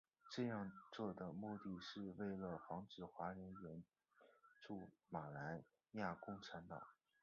这样做的目的是为了防止华人援助马来亚共产党。